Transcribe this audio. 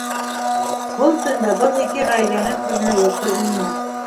Был төндә был ике ғаиләнең күҙенә йоҡо инмәне.